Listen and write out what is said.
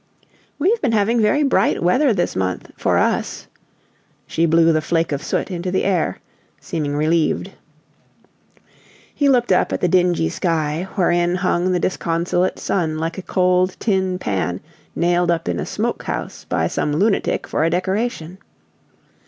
"We've been having very bright weather this month for us." She blew the flake of soot into the air, seeming relieved. He looked up at the dingy sky, wherein hung the disconsolate sun like a cold tin pan nailed up in a smoke house by some lunatic, for a decoration.